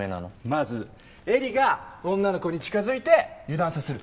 まずエリが女の子に近づいて油断させる。